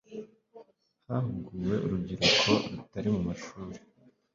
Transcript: hahuguwe urubyiruko rutari mu mashuri